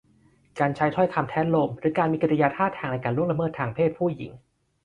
การใช้ถ้อยคำแทะโลม หรือการมีกิริยาท่าทางในการล่วงละเมิดทางเพศผู้หญิง